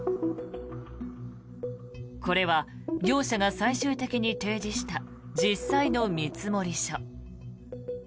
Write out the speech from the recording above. これは業者が最終的に提示した実際の見積書。